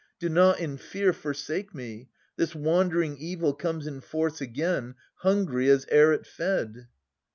Do not in fear forsake me. This wandering evil comes in force again, Hungry as ere it fed.